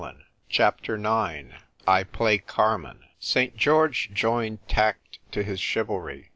CHAPTER IX. I PLAY CARMEN. St. George joined tact to his chivalry.